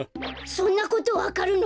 そんなことわかるの！？